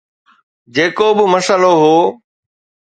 جيڪو به مسئلو هو.